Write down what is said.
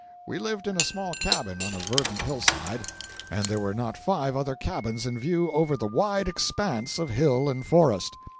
We lived in a small cabin on a verdant hillside, and there were not five other cabins in view over the wide expanse of hill and forest.